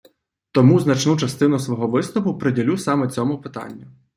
Тому значну частину свого виступу приділю саме цьому питанню.